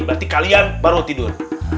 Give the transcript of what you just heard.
berarti kalian baru tidur